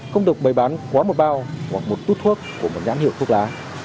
không được bày bán quá một bao hoặc một tút thuốc của một nhãn hiệu thuốc lá